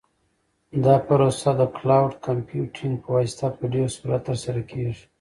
دا پروسه د کلاوډ کمپیوټینګ په واسطه په ډېر سرعت ترسره کیږي.